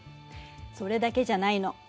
それだけじゃないの。